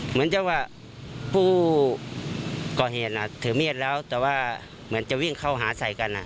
เหมือนจะว่าผู้ก่อเหตุถือมีดแล้วแต่ว่าเหมือนจะวิ่งเข้าหาใส่กัน